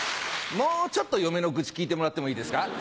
もうちょっと嫁の愚痴聞いてもらってもいいですか？